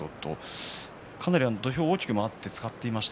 かなり土俵を大きく使っていました。